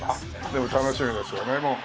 でも楽しみですよね。